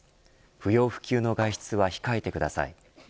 不要不急の外出は控えてください。